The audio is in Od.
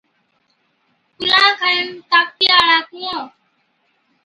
ڪُلان کن طاقتِي هاڙا ڪُوڻ،